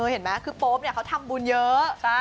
เห็นไหมคือโป๊ปเขาทำบุญเยอะ